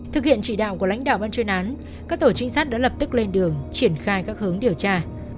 thực hiện trị đạo của lãnh đạo văn chuyên án các tổ chính sát đã lập tức lên đường triển khai các hướng điều tra